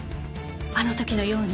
あの時のように。